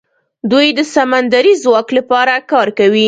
دوی د سمندري ځواک لپاره کار کوي.